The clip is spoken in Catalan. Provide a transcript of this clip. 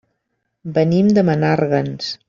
Venim de Menàrguens.